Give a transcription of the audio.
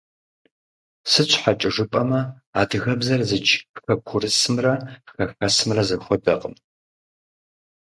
Сыт щхьэкӀэ жыпӀэмэ, адыгэбзэр зыдж хэкурысымрэ хэхэсымрэ зэхуэдэкъым.